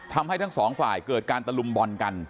ทั้งสองฝ่ายเกิดการตะลุมบอลกัน